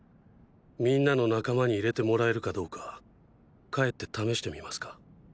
みんなの仲間に入れてもらえるかどうか帰って試してみますか？